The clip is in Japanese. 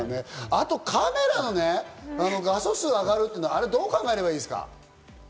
あとカメラのね、画素数が上がるってのはあれどう考えればいいですか？